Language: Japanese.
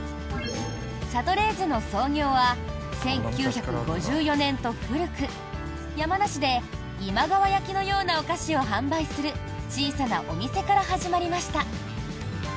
シャトレーゼの創業は１９５４年と古く山梨で今川焼きのようなお菓子を販売する小さなお店から始まりました。